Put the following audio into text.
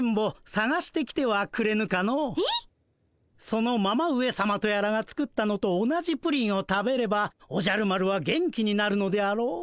そのママ上さまとやらが作ったのと同じプリンを食べればおじゃる丸は元気になるのであろう。